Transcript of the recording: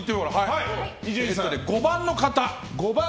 ５番の方。